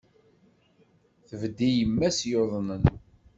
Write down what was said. Tbedd i yemma-s yuḍnen.